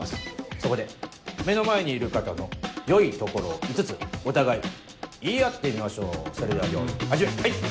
そこで目の前にいる方の良いところを５つお互い言い合ってみましょうそれでは用意始め！